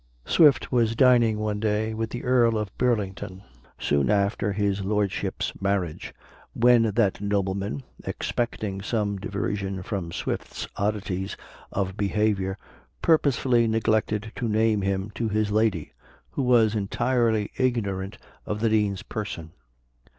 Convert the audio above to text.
Swift was dining one day with the Earl of Burlington soon after his lordship's marriage, when that nobleman, expecting some diversion from Swift's oddities of behavior, purposely neglected to name him to his lady, who was entirely ignorant of the Dean's person.